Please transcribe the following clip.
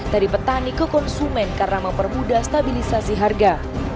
dari petani ke konsumen karena mempermudah stabilisasi harga